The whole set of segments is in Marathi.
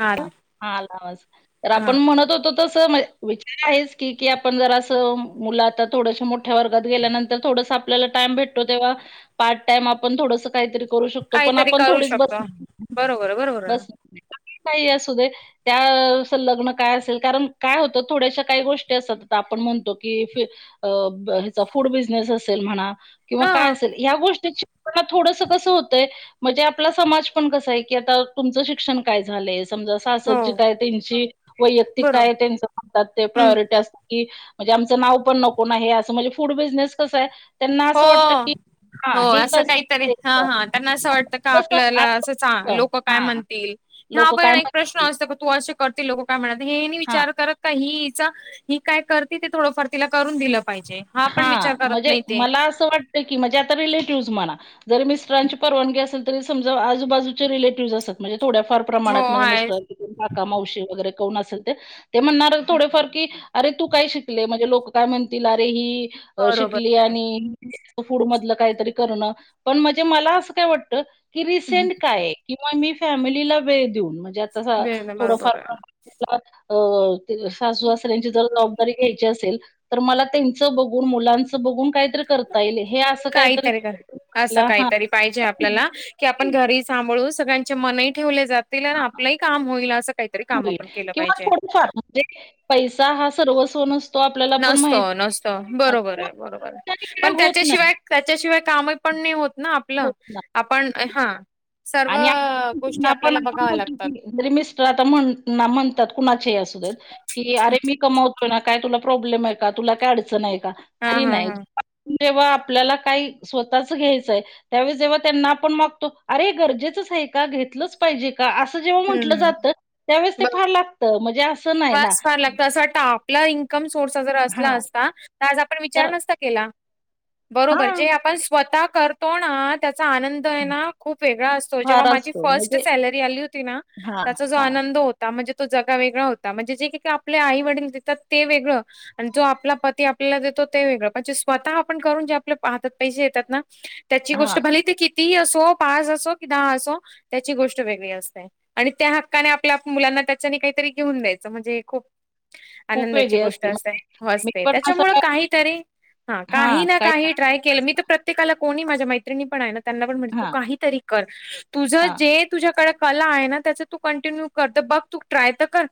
हा ह हा आला आवाज, तर आपण हा म्हणत होतो त विचार आहेच की, की आपण जरासं मुलं आता थोडस मोठ्या वर्गात गेल्यानंतर थोडस आपल्याला टाइम भेटतो तेव्हा. पार्ट टाइम आपण थोडस काहीतरी करू शकतो. पण काहीतरी आपण करू थोडीच बस शकतो बरोबर बरोबर बस ना काही असुदे. त्या अस लग्न काय असेल. कारण काय होतं थोड्याशा काही गोष्टी असतात. आपण म्हणतो की, अ ह्याचा फूड बिझनेस असेल म्हणा, किंवा हा काय असेल. या गोष्टीची पण थोडस कस होतंय. म्हणजे आपला समाज पण कसय की आता तुमचं शिक्षण काय झालंय. समजा हो सासरची काय त्यांची, वैयक्तिक बरोबर काय त्याच म्हणतात ते हम्म प्रायोरिटी असते की, म्हणजे आमचं नाव पण नकोना. असं म्हणजे फूड बिझनेस कसंय, त्यांना हो असं वाटत की, हां हो हे असं कसं काहीतरी ते हा हा त्यांना असं वाटतं का कसं आपल्याला असं चां लोक काय हां म्हणतील? ह लोकं पण काय एक प्रश्न म्हणतील? असतो का तू असे करतील लोक काय म्हणात. हे नाही हां विचार करत का ही चा ही काय करती ते थोडंफार तिला करून दिलं पाहिजे. पण विचार हा, करत म्हणजे नाही ते मला असं वाटतं की, म्हणजे आता रिलेटिव्हज म्हणा. जरी मिस्टरांची परवानगी असेल. तरी समजा आजूबाजूचे रिलेटिव्हय असतात. म्हणजे थोड्याफार हो प्रमाणात म्हणजे आहेच मिस्टराची काका, मावशी, वगैरे कोन असेल ते. ते म्हणणार थोडेफार की अरे तू काय शिकलीय? म्हणजे लोक काय म्हणतील. अरे ही बरोबर शिकली आहे. आणि फूड मधलं काहीतरी करणं पण म्हणजे मला असं काय वाटत की रिसेंट काय? किंवा मी फॅमिलीला वेळ देऊन म्हणजे आता वेळ थोडफार बरोबर प्रमा सासू सासऱ्यांची जर जबाबदारी आहे घ्यायची असेल तर मला त्यांच बघु मुलांच बघुन काय काहीतरी पण असं ला हा काहीतरी पाहिजे आपल्याला की आपण घरी सांभाळून सगळ्यांचे मनही ठेवले जातील. आणि आपलंही काम होईल असं काहीतरी काम होईल आपण केलं किंवा पाहिजे. थोडंफार म्हणजे पैसा हा सर्वस्व नस नसतो, नसतो बरोबर आहे बरोबर काय पण होत नाही त्याच्याशिवाय त्याच्याशिवाय कामही पण नाही होत ना आपलं होत नाही आपण हा सर्व आणि आपण गोष्टी आपण आपल्याला बघाव्या लागतात. म्हे मिस्टर आता म्हण म्हणतात कुणाचे असू देत. कि अरे मी कमवतो ना काय तुला प्रॉब्लेम आहे का? तुला काय अडचण आहे का? हा तरी हा नाही हा जेव्हा आपल्याला काही स्वतःच घ्यायचंय त्यावेळेस जेव्हा त्यांना आपण मागतो अरे गरजेच आहे का? घेतलंच पाहीजे का? असं जेव्हा म्हटलं हम्म जात तेव्हा ते फार लागत. म्हणजे असं नाही ना स फार लागत असं वाटत आपला इन्कम सोर्स जर असला हा असत? तर आज आपण तर विचार नसता बरोर हा जे आपण स्वतः करतो ना त्याचा आनंद खुप वेगळा असतो. जेव्हा फार माझी असतो फस्ट म्हणजे सॅलरी आली होती ना हा त्याचा जो हा आनंद होतो. म्हणजे तो जगा वेगळा होता. म्हणजे जे काही आपल्या आई वडील देतात ते वेगळं आणि जो आपला पती आपल्याला देतो. ते वेगळं पण जे स्वतः आपण करून जे आपले हातात पैसे येतात ना? त्याची हा गोष्ट भले ते कितीही असो पाच असो कि दहा असो त्याची गोष्ट वेगळी असते. आणि त्या हक्काने आपल्या मुलांना त्याच्यानी काहीतरी घेऊन द्यायचं म्हणजे हे खूप खूप आनंदाची वेगळी गोष्ट असते. म्हणजे मी असते पण असं त्याच्यामुळे काय काहीतरी हा काही ना काही काहीतरी ट्राय केलं मी तर प्रत्ये प्रत्येकाला कोणी माझ्या मैत्रणी पण आहे ना, त्यांना पण म्हणते तू हा काहीतरी कर. तुझं हा जे तुझ्याकडे कला आहे ना? त्याच तू कंटिन्यू कर बघ तू ट्राय तर कर.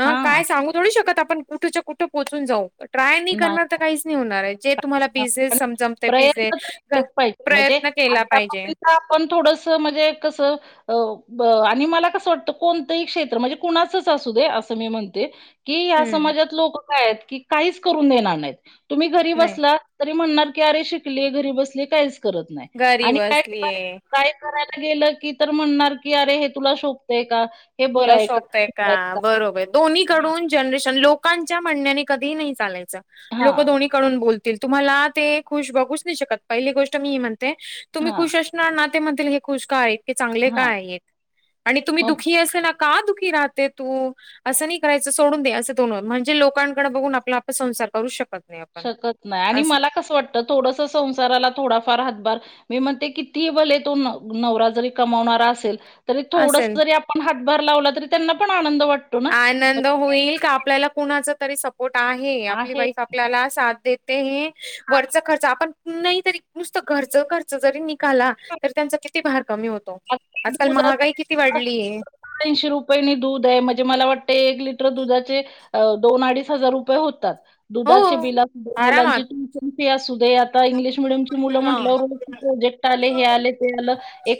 हा काय सांगु थोड शकतो आपण कुठच्या कुठं पोचून जाऊ. ट्राय नाही करणार तर काहीच नाही होणार. आहे जे तुम्हाला पिझे पण समजमते पिझे प्रयत्न तर केलेच प्रयत्न केला पाहिजे. पण थोडसं म्हणजे कसं अ हो आणि मला कसं वाटतं कोणतंही क्षेत्र म्हणजे, कुणाचच असू दे असं मी म्हणते. कि ह्या हम्म समाजात लोक काय आहेत की, काहीच करून देणार नाहीत तुम्ही घरी नाही बसला तरी म्हणणार की अरे शिकली घरी बसली काहीच करत नाही. घरी आणि काय, बसलीय काय करायला गेलं की तर म्हणणार की, अरे हे तुला शोभतय का? हे बरं आहे का? का?" बरोबर हां दोन्हीकडून जनरेशन लोकांच्या म्हणण्याने कधीही नाही चालायच लोक हां दोन्ही कडुन बोलतील. तुम्हाला ते खुश बघुन नाही शकत पहिली गोष्ट मी ही म्हणते. तुम्ही हां खुश नाते म्हणतील हे खुश का आहेत? चांगले का हां आहेत? आणि तुम्ही मग दुखी अस ला का दुःखी राहते तु? असं नाही करायचं सोडून दे, असं बोलनार म्हणजे लोकांकडे बघून आपण आपला संसार करू शकत नाही आपण. शकत नाही आणि अस मला कसं वाटतं थोडस संसाराला थोडाफार हातभार मी म्हणते किती भले तो नवरा जरी कमावणारा असेल. तरी थोडस असेल जरी आपण हातभार लावला तरी त्यांना पण आनंद वाटतो ना. आनंद होईल का आपल्याला कुणाचा तरी सपोर्ट आहे आपली वाईफ आप पल्या साथ देते हे वरच खर्च आपण नाही तरी नुसत घरच खर्च खर्च जरी नीघाला हां. तरी त्यांचा किती भार कमी होतो आजकाल महागाई किती वाढलीय. तीनशे रुपयांनी दूध आहे म्हणजे मला वाटतं एक लिटर दुधाचे अ दोन अडीच हजार रुपये होतात. हो दुधाचे बिल अस आरामात मुलांची ट्यूशन फी अस दे आता इंग्लिश मिडयम मुलं हा. म्हणल्यावर प्रोजेक्ट आले, हे आले, ते आलं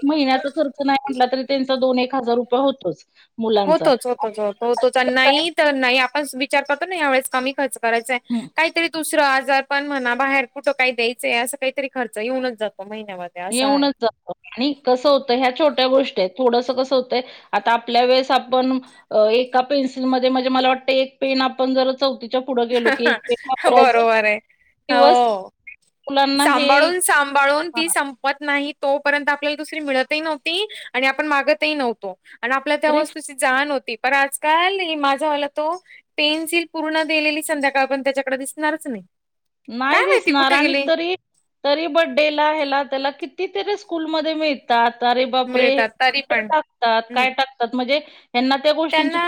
महिन्याचा खर्च नाही म्हटला तरी त्यांचा दोन, एक हजार रुपये होतोच. मुलांचा. होतोच होतोच होत होतोच नाही तर नाही आपण विचार करतो ना यावेळेस कमी खर्च करायचा आहे हं. काहीतरी दुसरा आजार पण म्हणा बाहेर कुठं काही द्यायचंय असं काहीतरी खर्च येऊनच जातो महिन्याभ येऊनच जातो. आणि कसं होतं ह्या छोट्या गोष्टी आहेत थोडसं कसं होतंय आता आपल्या वेळेस पण एका पेन्सिल मध्ये म्हणजे मला वाटतय एक पेन आपण जर चौथीत बरोबर आहे दिवस हो मुलांना हे सांभाळून सांभाळून ती हां, संपे पत नाही तोपर्यंत आपल्याला दुसरी मिळतही नव्हती आणि आपण मागतही नव्हतो. आणि आपल्या त्या गिफ्ट वस्तूची जाण होती पण आजकाल माझा वाला तो पेन्सिल पूर्ण दिलेली संध्याकाळ पण त्याच्याकडे दिसणारच नाही. नाही काय माहिती दिसणार कुठे आणि गेली तरी तरी बड्डेला ह्याला त्याला कितीतरी स्कूलमध्ये मिळ तात अरे बापरे मिळतात तरी पण टाकतात हम्म. काय टाकतात म्हणजे ह्यांना ते त्यांना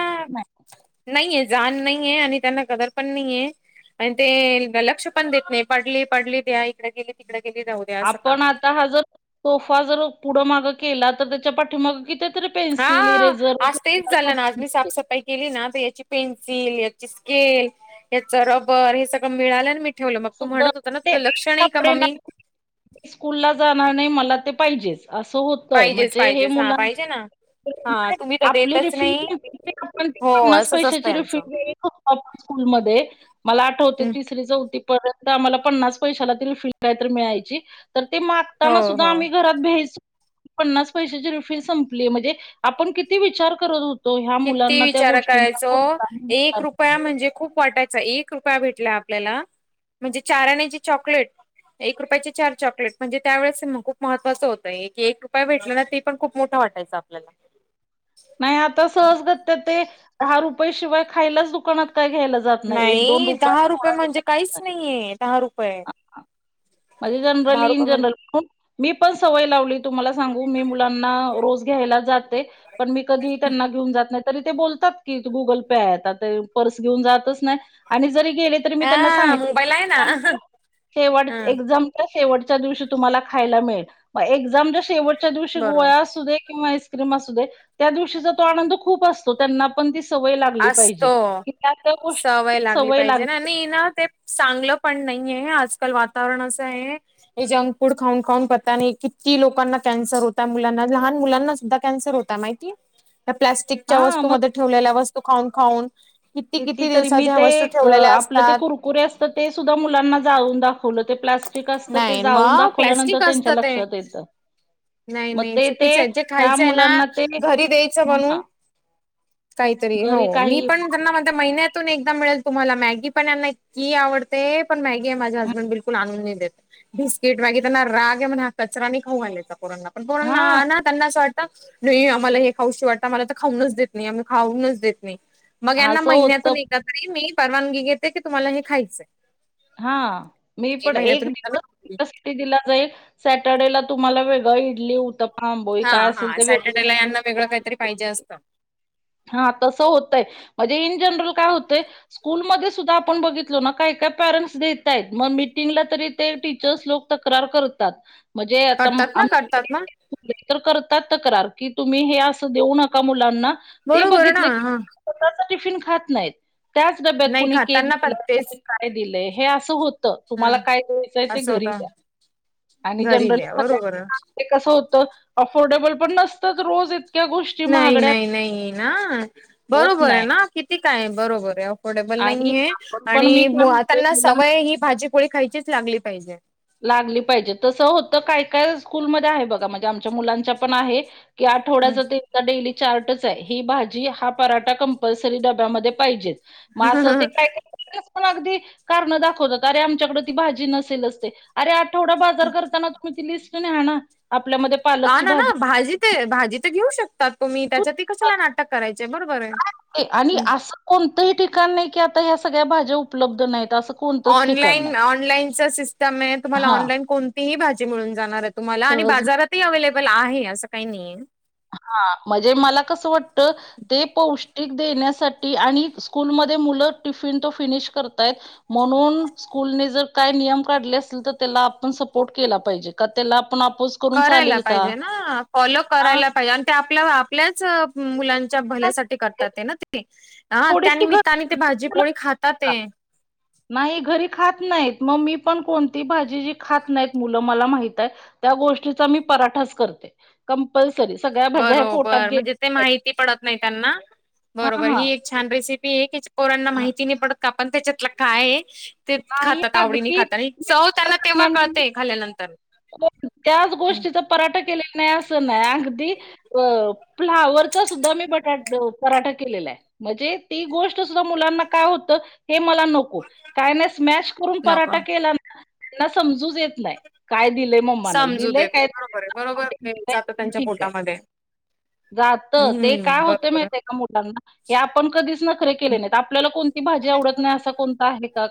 नाहीेये जाण नाहीये आणि त्यांना कदर पण नाहीेये. आणि ते लक्ष पण देत नाही, पडली पडली द्या इकडे गेली तिकडे गेली जाऊ द्या असं काम आपण आता हा जर सोफा जर पुढं माग केला तर त्याच्या पाठीमाग किती तर हा पेन्सिल, इरेझर आज तेच झालं ना आज मी साफसफाई केली ना तर याची पेन्सिल याची स्केल याच रबर हे सगळं मिळालं आणि मी ठेवलं मग तू म्हणत होत ना लक्ष नाही का मम्मी स्कूल ला जाणार नाही, मला ते पाहिजेच असं होतय पाहिजेच म्हणजे हे पाहिजेच हा मुलां पाहिजे ना हा तुम्ही [inaudible] तर देतच नाही हो असंच असतं यांचं स्कूल मध्ये मला आठवते तिसरी, चौथी परत आम्हाला पन्नास पैसे ला ती रिफील काय तर मिळायची तर ते हो मागताना सुद्धा हो आम्ही घरात पन्नास पैशाची रिपील संपली म्हणजे आपण किती विचार करत ह्या किती मुलांना त्या विचार गोष्टींचा करायचो, कोणताही एक विचार रुपया नाही म्हणजे खूप वाटाय च एक रुपया भेटला आपल्याला म्हणजे चार अण्याची चॉकलेट एक रुपयाची चार चॉकलेट म्हणजे त्यावेळेस ना खूप महत्वाचं होतं की एक रुपये भेटल ना ते पण खूप मोठं वाटायचं आपल्याला नाही आता सहजगत ते दहा रुपये शिवाय खायलाच दुकानात काय घ्यायलाच नाही दहा रुपये म्हणजे काहीच नाहीये दहा रुपये आणि दहा जनरली इन रुपये म्हणजे जनरली खुप मी पण सवय लावली. तुम्हाला सांगू मी मुलाना रोज घ्यायला जाते पण मी कधी त्यांना घेवून जात नाही. तरी ते बोलतात की गुगल पे आहे आता ते पर्स घेऊन जात नाही आणि जरी गेले तरी मी त्यांना आ मोबाईल आहे ना सांगितलं शेवट ह एक्झामच्या शेवटच्या दिवशी तुम्हाला खायला मिळेल म एक्झामच्या शेवट च्या दिवशी बरोबर गोळा असूदे किंवा आईस्क्रीम असू दे त्या दिवशी तो आनंद खूप अस हो त्यांना पण ती सवय लागली असतो पाहिजे की त्या त्या गोष्टीची सवय लागली ते ना ते चांगलं पण नाहीय आहे, आजकाल वातावरण असं आहे. हे जंक फूड खाऊन खाऊन पता नाही किती लोकांना कॅन्सर होता मुलांना लहान मुलांना सुद्धा कॅन्सर होता माहितीय, त्या प्लास्टिकच्या हा वस्तू मग मध्ये ठेवलेल्या वस्तू खाऊन खाऊन किती किती दिवसाच्या वस्तू ठेवलेल्या असतात. कुरे असतात ते सुद्धा मुलांना जाळुन दाखवलं ते प्ला स्टिक असतं ते नाही जाळुन मग दाखवल्यानंतर प्लॅस्टिक त्यांच्या असतं ते लक्षात येतं. नाही म नाही ते ते चुकीचं आहे जे ह्या खायचं आहे ना मुलांना ते घरी द्यायचं बनून काहीतरी घरी हो मी काही पण त्यांना म्हणते महिन्यातून एकदा मिळेल तुम्हाला मॅगी पण यांना माँगी आवडते पण मॅगी आहे माझे हसबंड बिलकुल आणून नाही देत. हा [unintelligible] त्यांना असं वाटतं नाही आम्हाला हे खाऊशी वाटतं आमला तर खाऊनच देत नाही आम्ही खाऊनच देत नाही. मग यांना असं होतं महिन्यातून एक तरी मी परवानगी घेते की तुम्हाला हे खायचंय. हा मी पण महिन्यातून एक एकदा दिवस मी तुमच्यासाठी दिला जाईल सॅटर्डेला तुम्हाला वे व इडली, उत्तापा, आंबोळी काय असेल ते वेग प्लॅन न वेगळं काहीतरी पाहिजे असतं. हा तसं होतय म्हणजे इन जनरल काय होतंय. स्कूलमध्ये सुद्धा आपण बघितलो ना काय काय पॅरेंट्स देतायेत मग मीटिंगला तरी ते टीचर्स लोक तक्रार करतात म्हणजे आता करतात ना करतात ना इतर करतात तक्रार की तुम्ही हे असं देऊ नका मुलांना ते बरोबर ना बघितलं की हा स्वतःचा टिफिन खातं नाहीत त्याच डब्यात नाही कुणी केक खाताना पण दिलं कणी तेच काय दिलंय हे असं हो त तुम्हाला हा काय द्यायचंय ते असं होत घरी द्या आणि घरी जनरली द्या बरोबर सगळ्यांना ते कसं होतं अफोर्डेबल पण नसतं रोज गोष्टी नाही महागड्या नाही नाही ना होत बरोबर नाही आहे ना किती काय बरोबर आहे. अफोर्डेबल आणि नाहीय आहे आपण पण मी आणि काय म्हणते त्यांना मुलां सवय ही भाजीपोळी खायचीच लागली पाहिजे. लागली पाहिजे तसं होतं काय काय स्कूलमध्ये आहे बघा म्हणजे आमच्या मुलांच्या पण आहे. की आठवड्याचं ते डेली चार्टच आहे ही भाजी हा पराठा कंपल्सरी डब्यामध्ये पाहिजेच. म असं ते काय काय पण अगदी कारणं दाखवतात, अरे आमच्याकडं ती भाजी नसेलच ते अरे आ थोडा बाजार करताना तुम्ही ती लिस्ट न्हाना आपल्यामध्ये हा ना ना भाजी ते भाजी तर घेऊ शकतात, तुम्ही त्यासाठी कशाला नाटक करायचे बरोबर आहे. आणि असं कोणतंही ठिकाण नाही की आता ह्या सगळ्या भाज्या उपलब्ध नाहीत असं कोणतंच ठिकाण नाही ऑनलाईन ऑनलाईनच सिस्टम आहे, तुम्हाला हा ऑनलाईन कोणतीही भाजी मिळून जाणारच तुम्हाला आणि सहज बाजारातही अवे्लेबल आहे असं काही नाहीय. हा म्हजे मला कसं वाटतं ते पौष्टिक देण्यासाठी आणि स्कूलमध्ये मुलं टिफिन तो फिनिश करतायत म्हणून स्कूल ने जर काय नियम काढले असतील तर त्याला आपण सपोर्ट केला पाहिजे का त्याला आपो करायला पाहिजे ना फॉलो हां, करायला पाहिजे. ते आपल्या आपल्याच मुलांच्या भलेसाठी करतात ते ना तेनी. हा थोडीशी घरची त्यानिमित्ताने ते मुलं भाजीपोळी खातातात खातात. ते. नाही घरी खात नाहीत मग मी पण कोणती भाजी जी खात नाहीत मुलं मला माहित आहे. त्या गोष्टीचा मी पराठाच करते, कंपल्सरी सगळ्या भाज्या ह पोटात बरोबर गे म्हणजे ते माहिती नाही त्यांना हां, बरोबर हां, ही छान रेसिपी आहे पोरांना हां. माहिती नाही पडत. का पण त्याच्यातलं काय आहे. ते नाही खातात आवडीने अगदी खातात आणि मी चव विचार त्यांना तेव्हा करणार नाही कळतेय खाल्ल्यानंतर. हो त्याच हम्म, गोष्टीचा पराठा केलेला नाही असं नाही अगदी अ फ्लावरचा सुद्धा मी बटा -पराठा केलेला आहे‌. म्हणजे ती गोष्ट सुद्धा मुलांना काय होत हे मला नक काय स्मॅश करून पराठा नको केला समजू येत नाही काय दि समजू देत नाही बरोबर आहे बरोबर जात त्यांच्या पोटामध्ये. जात ते काय हम्म होते बरोबर माहित आहे का मुलांना. हे आपण कधीच नखरे केले नाहीत आपल्याला कोणती भाजी आवडत नाही असा कोणता आहे का?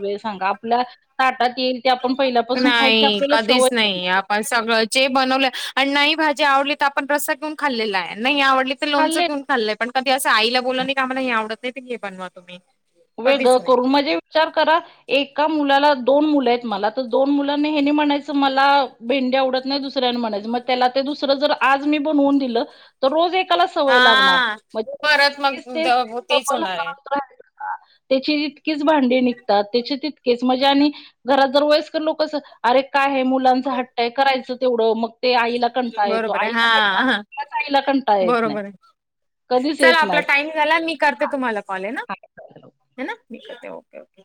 वेळ सांगा आपल्या ताटात येईल ते आपण पहिल्यापासून खायची नाही आपल्याला कधीच नाही सवयते आपण सगळं जे बनवलं आणि नाही भाजी आवडली तर आपण रस्सा घेऊन खाल्लेला आहे नाही आवडली ते लोणचं खाल्ले घऊन खाल्लंय पण कधीं आला बोललं ना क काम्हाला हे आवत नाही हे बनवा तुम्ही. वेग कधीच नाही करून म्हणजे विचार करा एका मुलाला दोन मुलं आहेत मला तर दोन मुलांनी हेनी म्हणायचं मला भेंडी आवडत नाही दुसऱ्यांना म्हणायच मग त्याला ते दुसरं जर आज मी बनवून दिलं तर रोज एक सवय लागणार. हा परत मग द- तेच होणार आहे [unintelligible] त्याची इतकीच भांडे निघतात, त्याचे तितकेच म्हणजे आणि घरात जर वयसकर लोकस अरे काय आहे मुलांचं हट्ट आहे करायचं तेवढं मग ते आईला कंटा येतो बरोबर आहे हा आईला हा आईला कंटा येत नाही. बरोबर आहे कधीच चला येत आपला टाइम झाला मी करते नाही तुम्हाला कॉल आहे ना हे ना मी करते ओके ओके.